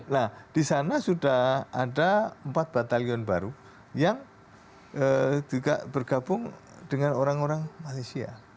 nah di sana sudah ada empat batalion baru yang juga bergabung dengan orang orang malaysia